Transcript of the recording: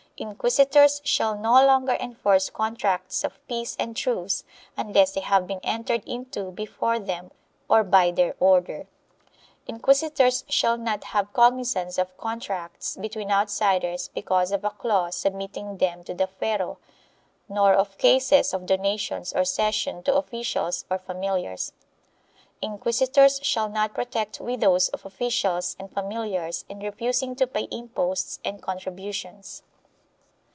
Inquisitors shall no longer enforce contracts of peace and truce unless they liave been entered into before them or by their order. Inquisitors shall not have cognizance of contracts between outsiders because of .a clause submitting them to the fuero, nor of cases of donations or cession to officials or familiars. Inquisitors shall not protect widows of officials and familiars in refusing to pay imposts and contributions.